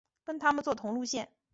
跟他们坐同路线